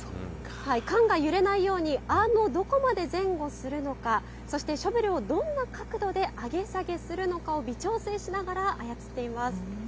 缶が揺れないようにアームをどこまで前後するのか、そして、ショベルをどんな角度で上げ下げするのかを微調整しながら操っています。